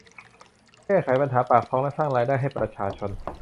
แก้ไขปัญหาปากท้องและสร้างรายได้ให้ประชาชน